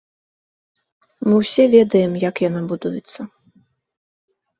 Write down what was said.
Мы ўсе ведаем, як яна будуецца.